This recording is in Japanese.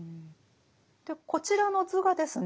こちらの図がですね